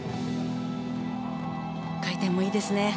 回転もいいですね。